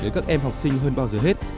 đến các em học sinh hơn bao giờ hết